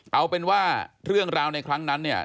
เอาเป็นว่าเรื่องราวในครั้งนั้นเนี่ย